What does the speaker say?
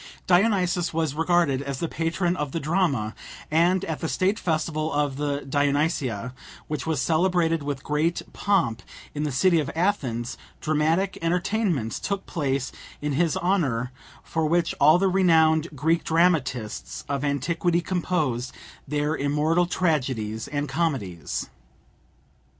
Dionysus was regarded as the patron of the drama, and at the state festival of the Dionysia, which was celebrated with great pomp in the city of Athens, dramatic entertainments took place in his honour, for which all the renowned Greek dramatists of antiquity composed their immortal tragedies and comedies.